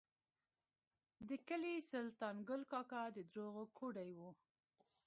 د کلي سلطان ګل کاکا د دروغو ګوډی و.